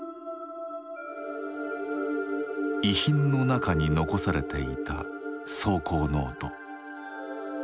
遺品の中に残されていた草稿ノート。